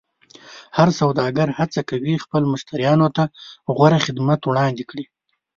هر سوداګر هڅه کوي خپلو مشتریانو ته غوره خدمت وړاندې کړي.